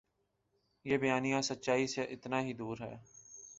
یہ بیانیہ سچائی سے اتنا ہی دور ہے۔